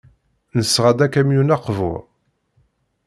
Nesɣa-d akamyun aqbur.